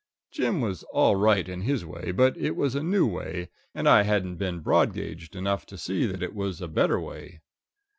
Jim was all right in his way, but it was a new way, and I hadn't been broad gauged enough to see that it was a better way.